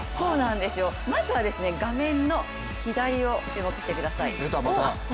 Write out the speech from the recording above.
まずは、画面の左に注目してください。